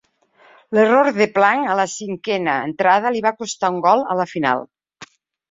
L"error de Plank a la cinquena entrada li va costar un gol a la final.